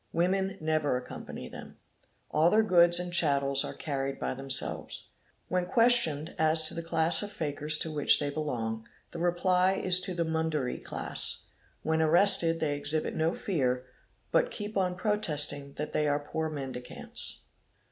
Women never accompany them. All their goods and chattels are carried by themselves. When questioned as to the class of fakirs to which they belong, the reply is to the Mudaree class. When arrestec they exhibit no fear, but keep on protesting that they are poor mendi cants.